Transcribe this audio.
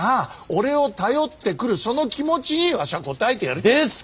俺を頼ってくるその気持ちにわしは応えてやりてえんだ。